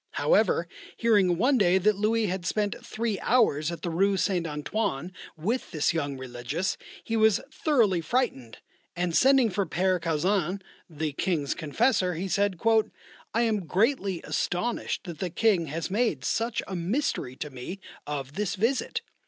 However, hearing one day that Louis had spent three hours at the Rue St. Antoine with this young religious, he was thoroughly frightened, and sending for Père Caussin, the King's confessor, he said: "I am greatly astonished that the King has made such a mystery to me of this visit.